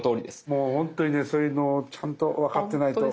もう本当にねそういうのをちゃんと分かってないと。